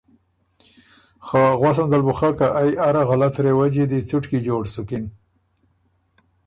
خه غؤسم دل بُو خۀ، که ائ اره غلط رېوجي دی څټکی جوړ سُکِن